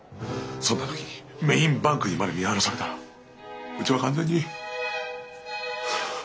そんな時にメインバンクにまで見放されたらうちは完全に終わる。